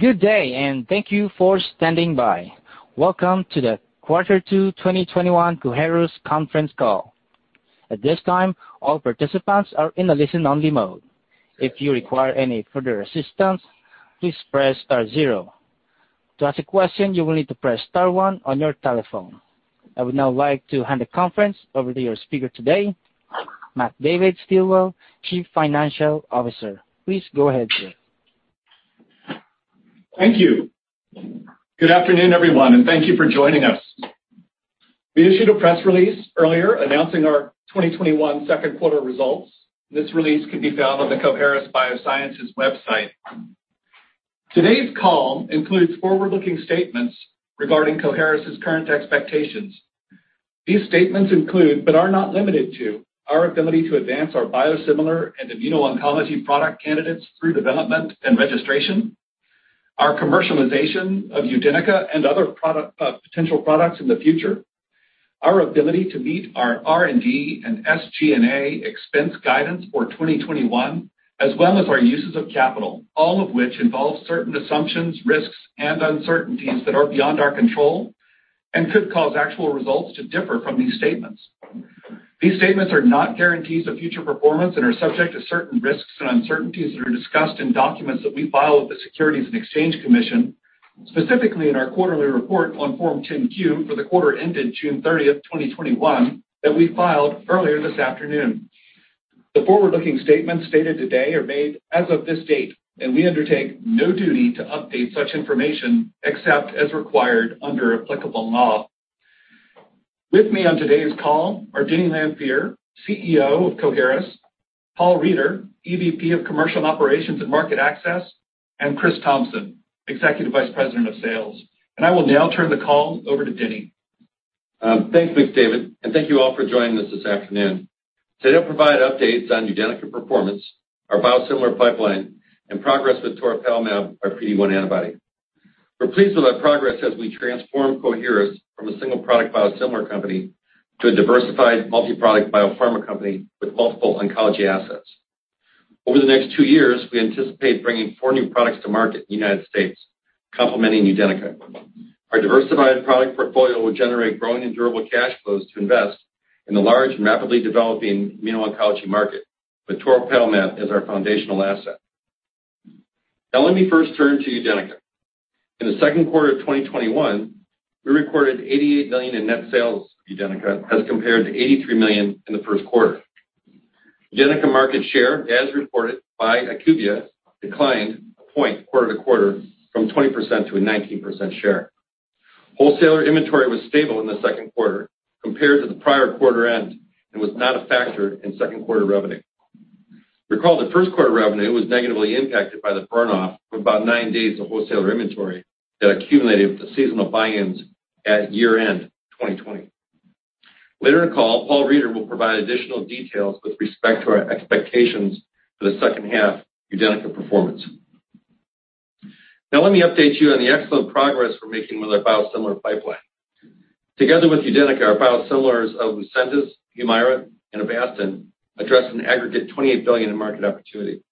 Good day, and thank you for standing by. Welcome to the Quarter Two 2021 Coherus conference call. At this time, all participants are in a listen-only mode. If you require any further assistance, please press star zero. To ask a question, you will need to press star one on your telephone. I would now like to hand the conference over to your speaker today, McDavid Stilwell, Chief Financial Officer. Please go ahead, sir. Thank you. Good afternoon, everyone, and thank you for joining us. We issued a press release earlier announcing our 2021 second quarter results. This release can be found on the Coherus BioSciences website. Today's call includes forward-looking statements regarding Coherus's current expectations. These statements include, but are not limited to, our ability to advance our biosimilar and immuno-oncology product candidates through development and registration, our commercialization of UDENYCA and other potential products in the future, our ability to meet our R&D and SG&A expense guidance for 2021, as well as our uses of capital, all of which involve certain assumptions, risks, and uncertainties that are beyond our control and could cause actual results to differ from these statements. These statements are not guarantees of future performance and are subject to certain risks and uncertainties that are discussed in documents that we file with the Securities and Exchange Commission, specifically in our quarterly report on Form 10-Q for the quarter ended June 30th, 2021 that we filed earlier this afternoon. The forward-looking statements stated today are made as of this date, and we undertake no duty to update such information except as required under applicable law. With me on today's call are Dennis Lanfear, CEO of Coherus, Paul Reider, EVP of Commercial Operations and Market Access, and Chris Thompson, Executive Vice President of Sales. I will now turn the call over to Dennis. Thanks, McDavid. Thank you all for joining us this afternoon. Today, I'll provide updates on UDENYCA performance, our biosimilar pipeline, and progress with toripalimab, our PD-1 antibody. We're pleased with our progress as we transform Coherus from a single product biosimilar company to a diversified multi-product biopharma company with multiple oncology assets. Over the next two years, we anticipate bringing four new products to market in the United States, complementing UDENYCA. Our diversified product portfolio will generate growing and durable cash flows to invest in the large and rapidly developing immuno-oncology market, with toripalimab as our foundational asset. Now let me first turn to UDENYCA. In the second quarter of 2021, we recorded $88 million in net sales of UDENYCA as compared to $83 million in the first quarter. UDENYCA market share, as reported by IQVIA, declined one point quarter-to-quarter from 20% to a 19% share. Wholesaler inventory was stable in the second quarter compared to the prior quarter end and was not a factor in second-quarter revenue. Recall that first quarter revenue was negatively impacted by the burn-off of about nine days of wholesaler inventory that accumulated with the seasonal buy-ins at year-end 2020. Later in the call, Paul Reider will provide additional details with respect to our expectations for the second half UDENYCA performance. Let me update you on the excellent progress we're making with our biosimilar pipeline. Together with UDENYCA, our biosimilars of Lucentis, Humira, and Avastin address an aggregate $28 billion in market opportunity.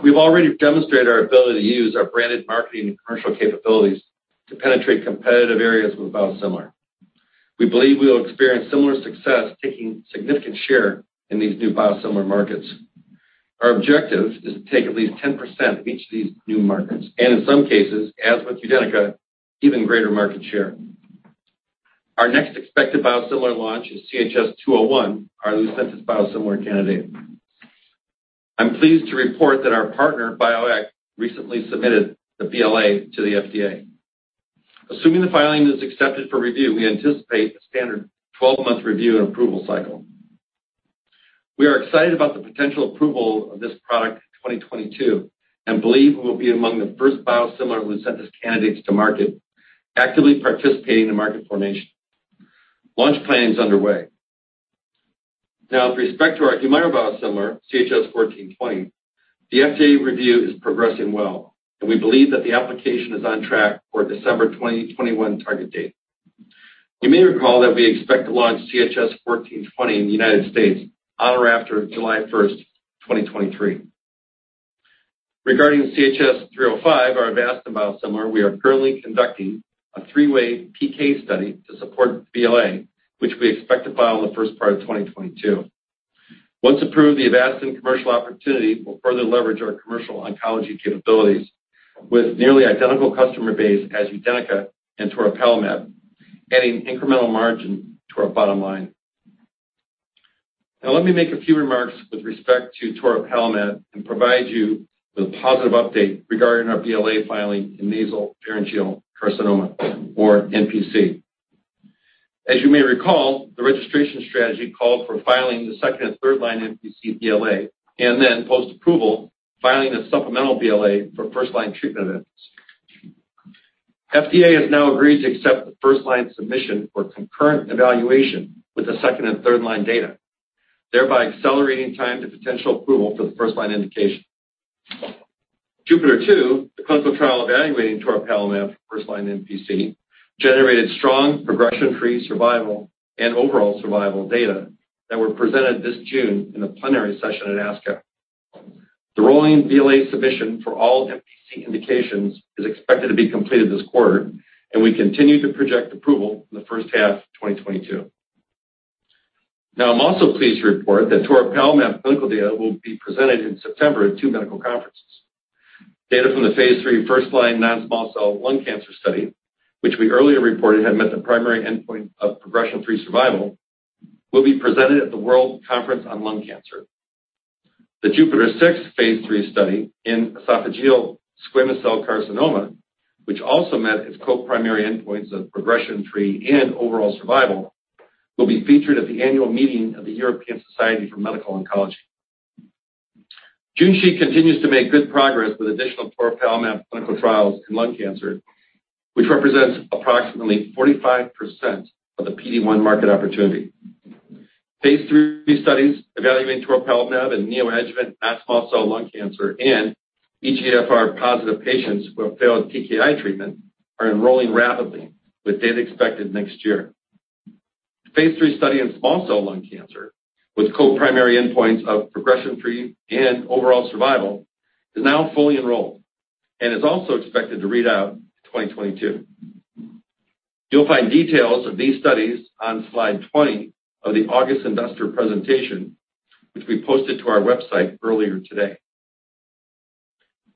We've already demonstrated our ability to use our branded marketing and commercial capabilities to penetrate competitive areas with a biosimilar. We believe we will experience similar success taking significant share in these new biosimilar markets. Our objective is to take at least 10% of each of these new markets, and in some cases, as with UDENYCA, even greater market share. Our next expected biosimilar launch is CHS-201, our Lucentis biosimilar candidate. I'm pleased to report that our partner, Bioeq AG, recently submitted the BLA to the FDA. Assuming the filing is accepted for review, we anticipate a standard 12-month review and approval cycle. We are excited about the potential approval of this product in 2022 and believe we will be among the first biosimilar Lucentis candidates to market, actively participating in market formation. Launch planning is underway. With respect to our Humira biosimilar, CHS-1420, the FDA review is progressing well, and we believe that the application is on track for a December 2021 target date. You may recall that we expect to launch CHS-1420 in the United States on or after July 1st, 2023. Regarding CHS-305, our Avastin biosimilar, we are currently conducting a three way PK study to support the BLA, which we expect to file in the first part of 2022. Once approved, the Avastin commercial opportunity will further leverage our commercial oncology capabilities with nearly identical customer base as UDENYCA and toripalimab, adding incremental margin to our bottom line. Let me make a few remarks with respect to toripalimab and provide you with a positive update regarding our BLA filing in nasopharyngeal carcinoma or NPC. As you may recall, the registration strategy called for filing the second and third-line NPC BLA and then post-approval, filing a supplemental BLA for first-line treatment of it. FDA has now agreed to accept the first-line submission for concurrent evaluation with the second and third-line data, thereby accelerating time to potential approval for the first-line indication. JUPITER-02, the clinical trial evaluating toripalimab for first-line NPC, generated strong progression-free survival and overall survival data that were presented this June in the plenary session at ASCO. The rolling BLA submission for all NPC indications is expected to be completed this quarter, and we continue to project approval in the first half of 2022. I'm also pleased to report that toripalimab clinical data will be presented in September at 2 medical conferences. Data from the phase III first-line non-small cell lung cancer study, which we earlier reported had met the primary endpoint of progression-free survival, will be presented at the World Conference on Lung Cancer. The JUPITER-06 phase III study in esophageal squamous cell carcinoma, which also met its co-primary endpoints of progression-free and overall survival, will be featured at the annual meeting of the European Society for Medical Oncology. Junshi continues to make good progress with additional toripalimab clinical trials in lung cancer, which represents approximately 45% of the PD-1 market opportunity. Phase III studies evaluating toripalimab in neoadjuvant non-small cell lung cancer and EGFR-positive patients who have failed TKI treatment are enrolling rapidly, with data expected next year. The phase III study in small cell lung cancer with co-primary endpoints of progression-free and overall survival is now fully enrolled and is also expected to read out in 2022. You'll find details of these studies on slide 20 of the August investor presentation, which we posted to our website earlier today.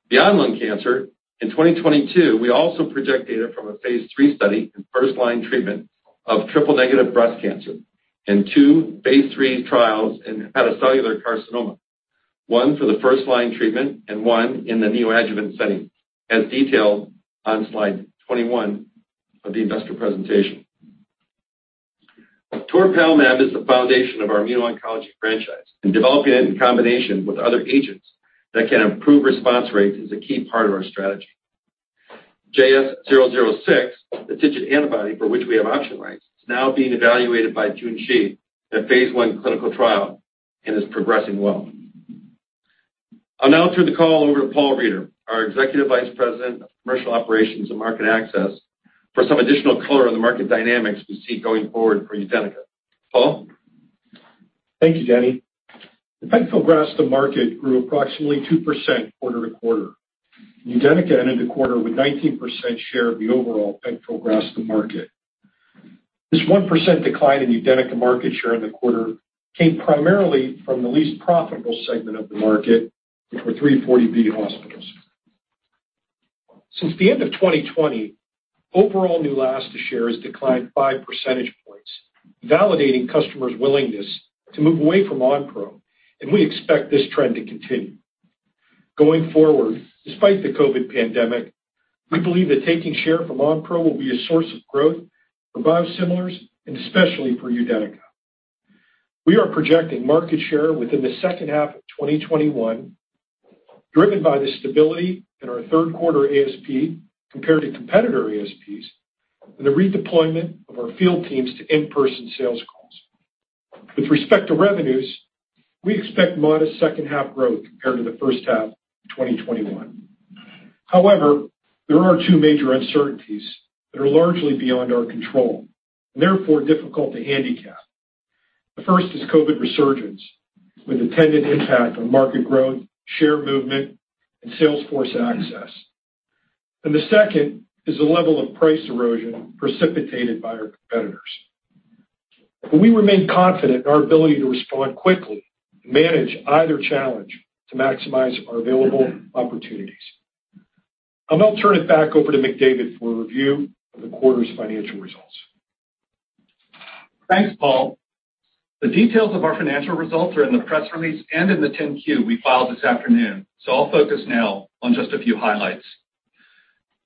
Beyond lung cancer, in 2022, we also project data from a phase III study in first-line treatment of triple-negative breast cancer and two phase III trials in hepatocellular carcinoma, one for the first-line treatment and one in the neoadjuvant setting, as detailed on slide 21 of the investor presentation. toripalimab is the foundation of our immuno-oncology franchise, and developing it in combination with other agents that can improve response rates is a key part of our strategy. JS006, the TIGIT antibody for which we have option rights, is now being evaluated by Junshi in a phase I clinical trial and is progressing well. I'll now turn the call over to Paul Reider, our Executive Vice President of Commercial Operations and Market Access, for some additional color on the market dynamics we see going forward for UDENYCA. Paul? Thank you, Dennis Lanfear. The pegfilgrastim market grew approximately 2% quarter-over-quarter. UDENYCA ended the quarter with 19% share of the overall pegfilgrastim market. This 1% decline in UDENYCA market share in the quarter came primarily from the least profitable segment of the market for 340B hospitals. Since the end of 2020, overall Neulasta share has declined 5 percentage points, validating customers' willingness to move away from Onpro. We expect this trend to continue. Going forward, despite the COVID pandemic, we believe that taking share from Onpro will be a source of growth for biosimilars and especially for UDENYCA. We are projecting market share within the second half of 2021, driven by the stability in our third quarter ASP compared to competitor ASPs and the redeployment of our field teams to in-person sales calls. With respect to revenues, we expect modest second half growth compared to the first half of 2021. There are two major uncertainties that are largely beyond our control and therefore difficult to handicap. The first is COVID resurgence with attendant impact on market growth, share movement, and sales force access. The second is the level of price erosion precipitated by our competitors. We remain confident in our ability to respond quickly to manage either challenge to maximize our available opportunities. I'll now turn it back over to McDavid for a review of the quarter's financial results. Thanks, Paul. The details of our financial results are in the press release and in the 10-Q we filed this afternoon, so I'll focus now on just a few highlights.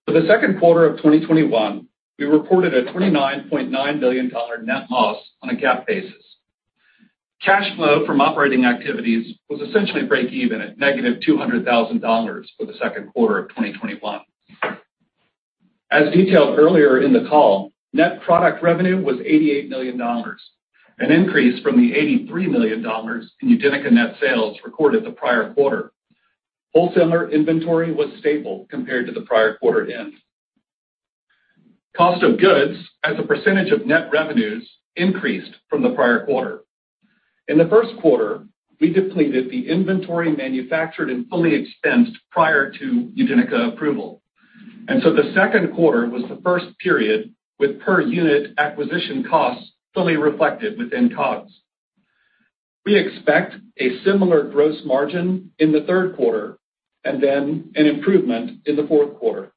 For the second quarter of 2021, we reported a $29.9 million net loss on a GAAP basis. Cash flow from operating activities was essentially break even at negative $200,000 for the second quarter of 2021. As detailed earlier in the call, net product revenue was $88 million, an increase from the $83 million in UDENYCA net sales recorded the prior quarter. Wholesaler inventory was stable compared to the prior quarter end. Cost of goods as a percentage of net revenues increased from the prior quarter. In the first quarter, we depleted the inventory manufactured and fully expensed prior to UDENYCA approval, so the second quarter was the first period with per unit acquisition costs fully reflected within COGS. We expect a similar gross margin in the third quarter and then an improvement in the fourth quarter.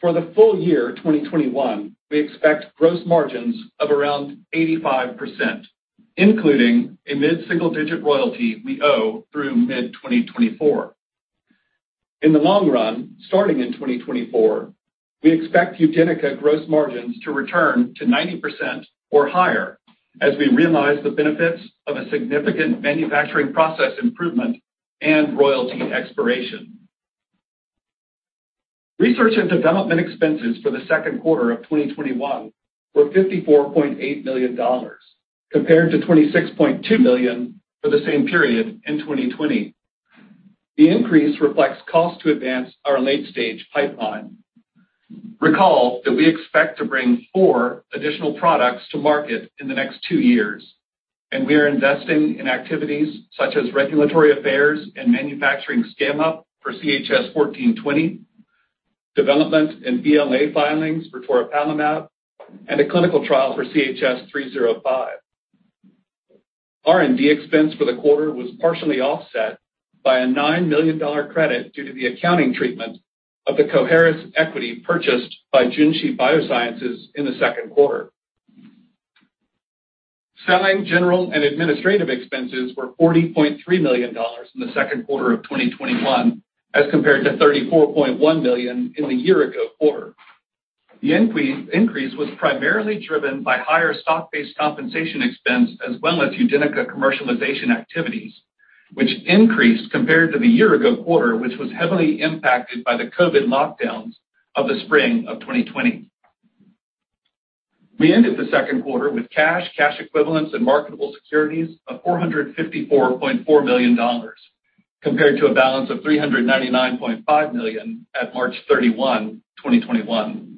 For the full-year 2021, we expect gross margins of around 85%, including a mid-single-digit royalty we owe through mid-2024. In the long run, starting in 2024, we expect UDENYCA gross margins to return to 90% or higher as we realize the benefits of a significant manufacturing process improvement and royalty expiration. Research and development expenses for the second quarter of 2021 were $54.8 million, compared to $26.2 million for the same period in 2020. The increase reflects cost to advance our late-stage pipeline. Recall that we expect to bring four additional products to market in the next two years, and we are investing in activities such as regulatory affairs and manufacturing scale-up for CHS-1420, development and BLA filings for toripalimab, and a clinical trial for CHS-305. R&D expense for the quarter was partially offset by a $9 million credit due to the accounting treatment of the Coherus equity purchased by Junshi Biosciences in the second quarter. Selling, general, and administrative expenses were $40.3 million in the second quarter of 2021 as compared to $34.1 million in the year ago quarter, which was heavily impacted by the COVID lockdowns of the spring of 2020. We ended the second quarter with cash equivalents, and marketable securities of $454.4 million, compared to a balance of $399.5 million at March 31, 2021.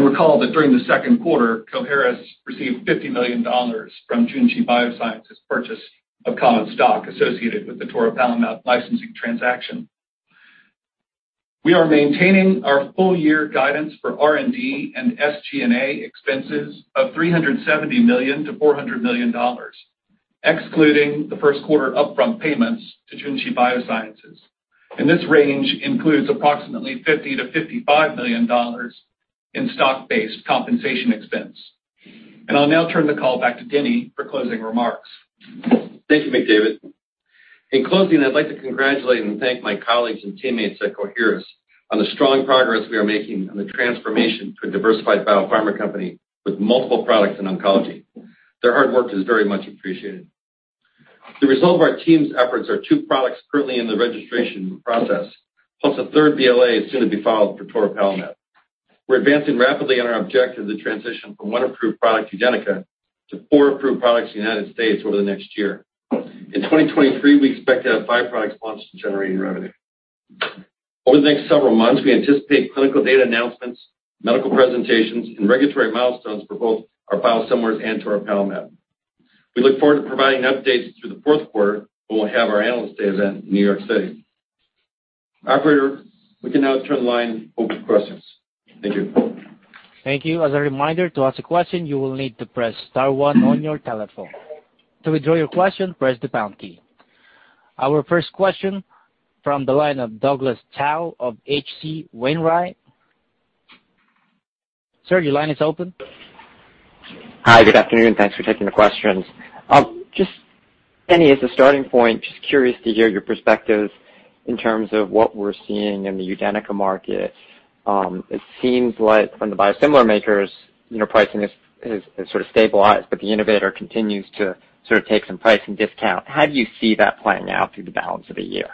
Recall that during the second quarter, Coherus received $50 million from Junshi Biosciences' purchase of common stock associated with the toripalimab licensing transaction. We are maintaining our full-year guidance for R&D and SG&A expenses of $370 million-$400 million, excluding the first quarter upfront payments to Junshi Biosciences. This range includes approximately $50 million-$55 million in stock-based compensation expense. I'll now turn the call back to Dennis for closing remarks. Thank you, McDavid. In closing, I'd like to congratulate and thank my colleagues and teammates at Coherus on the strong progress we are making on the transformation to a diversified biopharma company with multiple products in oncology. Their hard work is very much appreciated. The result of our team's efforts are two products currently in the registration process, plus a third BLA is soon to be filed for toripalimab. We're advancing rapidly on our objective to transition from one approved product, UDENYCA, to four approved products in the U.S. over the next year. In 2023, we expect to have five products launched and generating revenue. Over the next several months, we anticipate clinical data announcements, medical presentations, and regulatory milestones for both our biosimilars and toripalimab. We look forward to providing updates through the fourth quarter, when we'll have our Analyst Day event in New York City. Operator, we can now turn the line over to questions. Thank you. Thank you. As a reminder, to ask a question, you will need to press star one on your telephone. To withdraw your question, press the pound key. Our first question from the line of Douglas Tsao of H.C. Wainwright. Sir, your line is open. Hi, good afternoon and thanks for taking the questions. Denny, as a starting point, curious to hear your perspectives in terms of what we're seeing in the UDENYCA market. It seems like from the biosimilar makers, pricing has sort of stabilized, but the innovator continues to sort of take some pricing discount. How do you see that playing out through the balance of the year?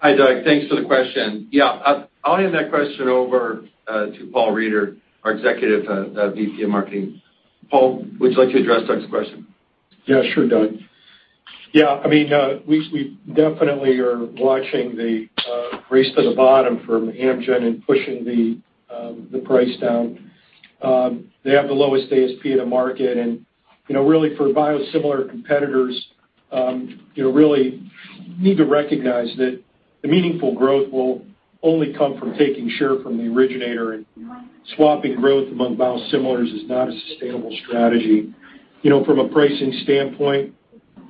Hi, Doug. Thanks for the question. I'll hand that question over to Paul Reider, our Executive VP of Marketing. Paul, would you like to address Doug's question? Yeah, sure, Doug. Yeah, we definitely are watching the race to the bottom from Amgen in pushing the price down. They have the lowest ASP in the market. Really for biosimilar competitors, really need to recognize that the meaningful growth will only come from taking share from the originator, and swapping growth among biosimilars is not a sustainable strategy. From a pricing standpoint,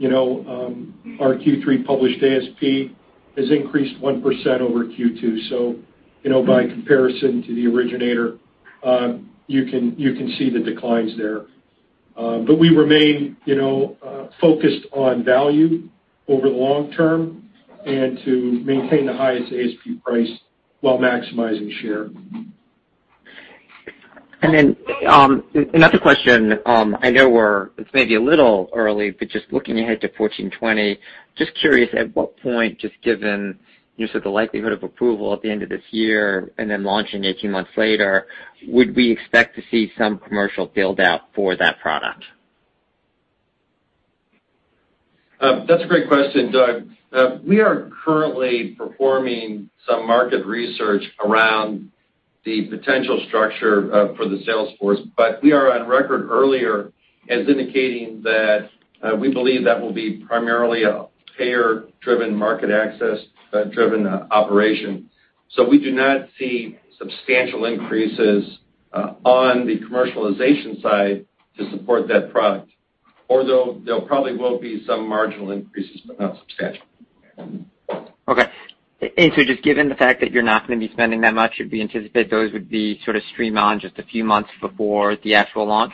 our Q3 published ASP has increased 1% over Q2. By comparison to the originator, you can see the declines there. We remain focused on value over the long-term and to maintain the highest ASP price while maximizing share. Another question. I know it's maybe a little early, but just looking ahead to CHS-1420, just curious at what point, just given the likelihood of approval at the end of this year and then launching 18 months later, would we expect to see some commercial build-out for that product? That's a great question, Doug. We are currently performing some market research around the potential structure for the sales force, but we are on record earlier as indicating that we believe that will be primarily a payer-driven, market access-driven operation. We do not see substantial increases on the commercialization side to support that product. Although there probably will be some marginal increases, but not substantial. Okay. Just given the fact that you're not going to be spending that much, should we anticipate those would be sort of streamed on just a few months before the actual launch?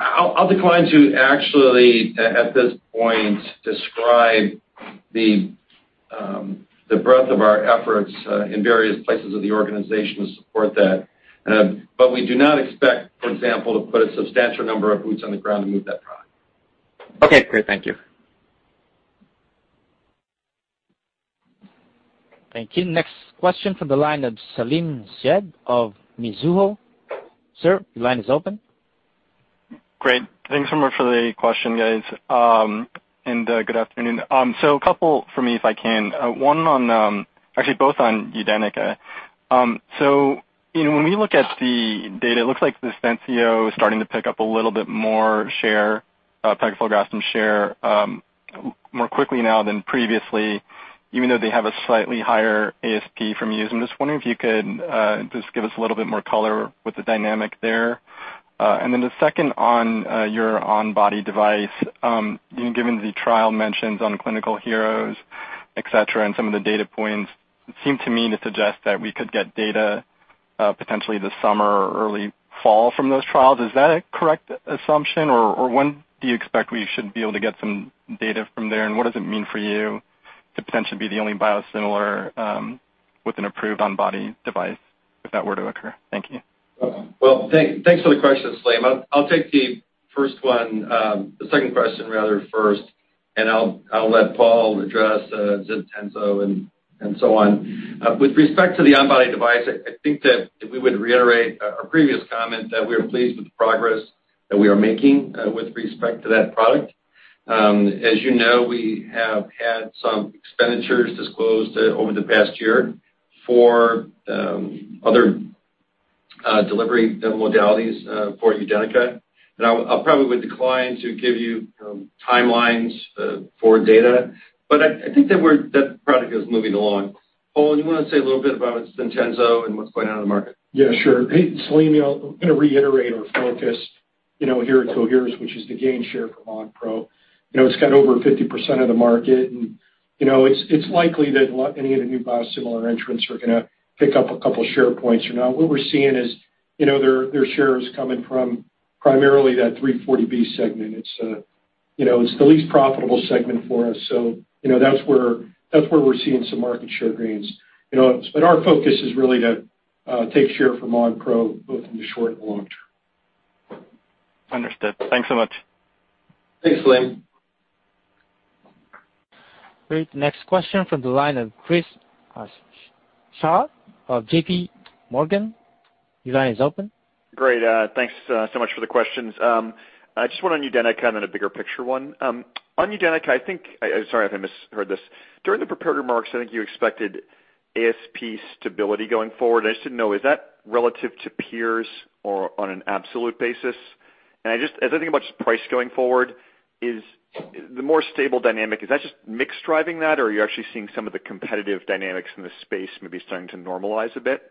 I'll decline to actually, at this point, describe the breadth of our efforts in various places of the organization to support that. We do not expect, for example, to put a substantial number of boots on the ground to move that product. Okay, great. Thank you. Thank you. Next question from the line of Salim Syed of Mizuho. Sir, your line is open. Great. Thanks so much for the question, guys, and good afternoon. A couple for me, if I can. Actually both on UDENYCA. When we look at the data, it looks like Ziextenzo is starting to pick up a little bit more pegfilgrastim share more quickly now than previously, even though they have a slightly higher ASP from you. I'm just wondering if you could just give us a little bit more color with the dynamic there. The second on your onbody device, given the trial mentions on ClinicalTrials.gov, et cetera, and some of the data points, it seemed to me to suggest that we could get data potentially this summer or early fall from those trials. Is that a correct assumption? When do you expect we should be able to get some data from there, and what does it mean for you to potentially be the only biosimilar with an approved on-body device if that were to occur? Thank you. Well, thanks for the question, Salim. I'll take the second question first, and I'll let Paul address Ziextenzo and so on. With respect to the onbody device, I think that we would reiterate our previous comment that we are pleased with the progress that we are making with respect to that product. As you know, we have had some expenditures disclosed over the past year for other delivery modalities for UDENYCA. I probably would decline to give you timelines for data, but I think that product is moving along. Paul, you want to say a little bit about Ziextenzo and what's going on in the market? Yeah, sure. Hey, Salim, I'm going to reiterate our focus here at Coherus, which is to gain share from Onpro. It's got over 50% of the market, and it's likely that any of the new biosimilar entrants are going to pick up a couple share points. What we're seeing is their shares coming from primarily that 340B segment. It's the least profitable segment for us, so that's where we're seeing some market share gains. Our focus is really to take share from Onpro, both in the short and the long-term. Understood. Thanks so much. Thanks, Salim. Great. Next question from the line of Chris Schott of JPMorgan. Your line is open. Great. Thanks so much for the questions. Just one on UDENYCA and then a bigger picture one. On UDENYCA, sorry if I misheard this, during the prepared remarks, I think you expected ASP stability going forward. I just didn't know, is that relative to peers or on an absolute basis? As I think about just price going forward, the more stable dynamic, is that just mix driving that, or are you actually seeing some of the competitive dynamics in the space maybe starting to normalize a bit?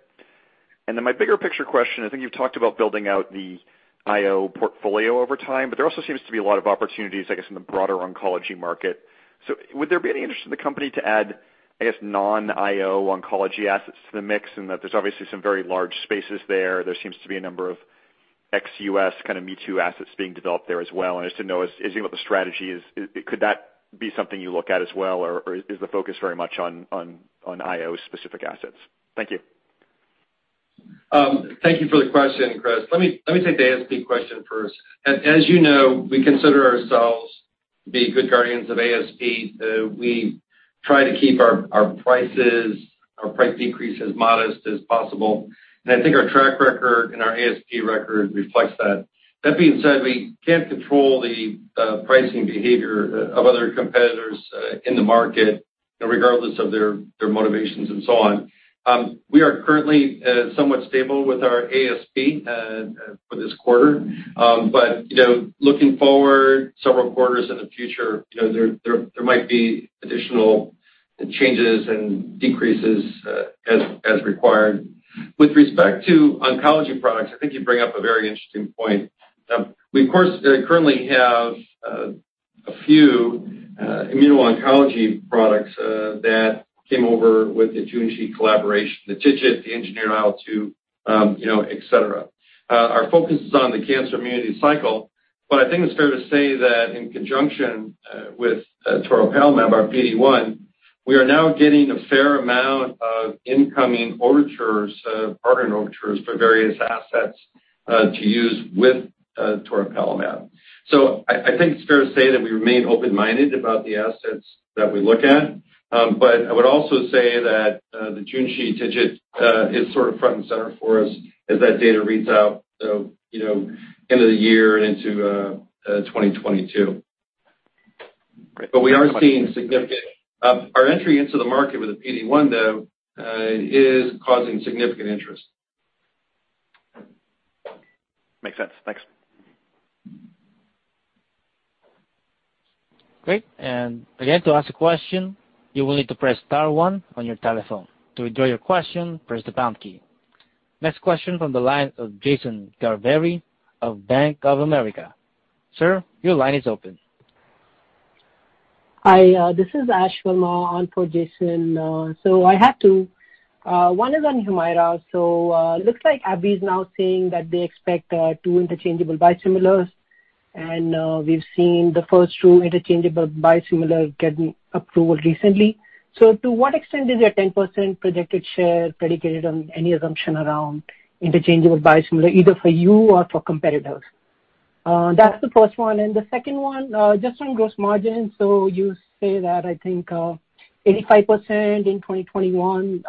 My bigger picture question, I think you've talked about building out the IO portfolio over time, but there also seems to be a lot of opportunities, I guess, in the broader oncology market. Would there be any interest in the company to add, I guess, non-IO oncology assets to the mix in that there's obviously some very large spaces there. There seems to be a number of ex-U.S. me too assets being developed there as well. Just to know, as you think about the strategy, could that be something you look at as well, or is the focus very much on IO-specific assets? Thank you. Thank you for the question, Chris. Let me take the ASP question first. As you know, we consider ourselves to be good guardians of ASP. We try to keep our price decrease as modest as possible, and I think our track record and our ASP record reflects that. That being said, we can't control the pricing behavior of other competitors in the market, regardless of their motivations and so on. We are currently somewhat stable with our ASP for this quarter. Looking forward several quarters in the future, there might be additional changes and decreases as required. With respect to oncology products, I think you bring up a very interesting point. We, of course, currently have a few immuno-oncology products that came over with the Junshi collaboration, the TIGIT, the engineered IL-2, et cetera. Our focus is on the cancer immunity cycle. I think it's fair to say that in conjunction with toripalimab, our PD-1, we are now getting a fair amount of incoming partnering overtures for various assets to use with toripalimab. I think it's fair to say that we remain open-minded about the assets that we look at. I would also say that the Junshi TIGIT is sort of front and center for us as that data reads out end of the year and into 2022. Great. Our entry into the market with the PD-1, though, is causing significant interest. Makes sense. Thanks. Great. Again, to ask a question, you will need to press star one on your telephone. To withdraw your question, press the pound key. Next question from the line of Jason Gerberry of Bank of America. Sir, your line is open. Hi, this is Ash on for Jason. I have two. One is on Humira. Looks like AbbVie is now saying that they expect two interchangeable biosimilars, and we've seen the first two interchangeable biosimilar getting approval recently. To what extent is your 10% projected share predicated on any assumption around interchangeable biosimilar, either for you or for competitors? That's the first one. The second one, just on gross margin. You say that I think 85% in 2021.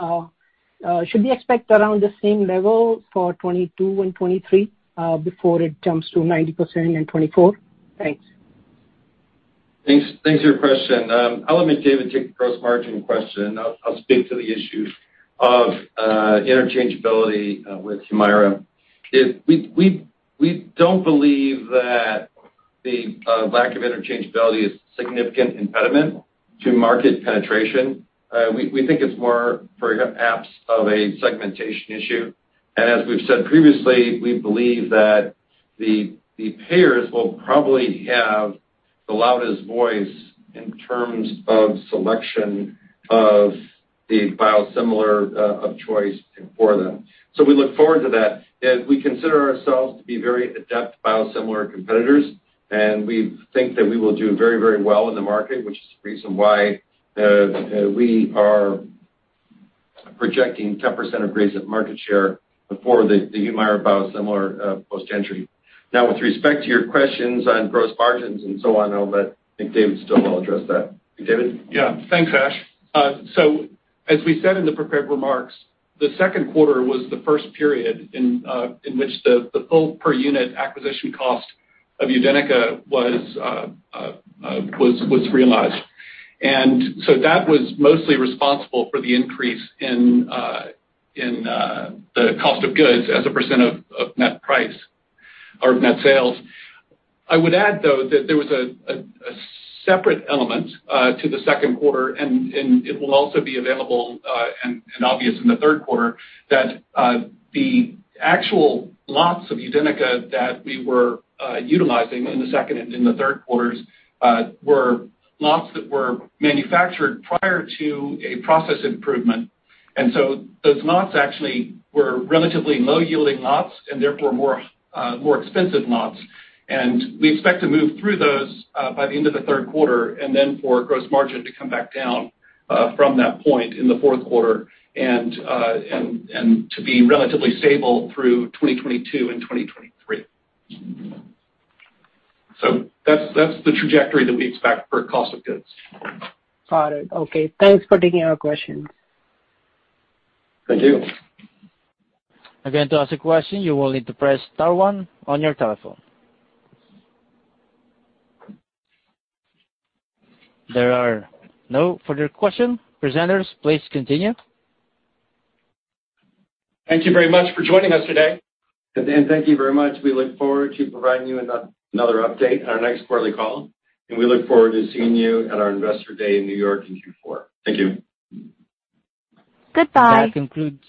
Should we expect around the same level for 2022 and 2023 before it jumps to 90% in 2024? Thanks. Thanks for your question. I'll let McDavid take the gross margin question. I'll speak to the issue of interchangeability with Humira. We don't believe that the lack of interchangeability is a significant impediment to market penetration. We think it's more perhaps of a segmentation issue. As we've said previously, we believe that the payers will probably have the loudest voice in terms of selection of the biosimilar of choice for them. We look forward to that. We consider ourselves to be very adept biosimilar competitors, and we think that we will do very well in the market, which is the reason why we are projecting 10% of YUSIMRY market share before the Humira biosimilar post-entry. Now, with respect to your questions on gross margins and so on, I'll let McDavid Stilwell address that. McDavid? Yeah. Thanks, Ash. As we said in the prepared remarks, the second quarter was the first period in which the full per-unit acquisition cost of UDENYCA was realized. That was mostly responsible for the increase in the cost of goods as a percentage of net price or net sales. I would add, though, that there was a separate element to the second quarter, and it will also be available and obvious in the third quarter, that the actual lots of UDENYCA that we were utilizing in the second and in the third quarters were lots that were manufactured prior to a process improvement. Those lots actually were relatively low-yielding lots and therefore more expensive lots. We expect to move through those by the end of the third quarter, and then for gross margin to come back down from that point in the fourth quarter and to be relatively stable through 2022 and 2023. That's the trajectory that we expect for cost of goods. Got it. Okay. Thanks for taking our questions. Thank you. Again, to ask a question, you will need to press star one on your telephone. There are no further questions. Presenters, please continue. Thank you very much for joining us today. Thank you very much. We look forward to providing you with another update on our next quarterly call, and we look forward to seeing you at our Investor Day in New York in Q4. Thank you. Goodbye. That concludes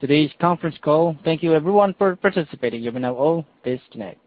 today's conference call. Thank you everyone for participating. You may now all disconnect.